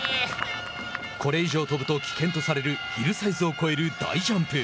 これ以上飛ぶと危険とされるヒルサイズを越える大ジャンプ。